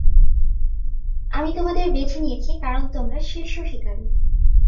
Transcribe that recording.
আমি তোমাদের বেছে নিয়েছি কারণ তোমরা শীর্ষ শিকারী।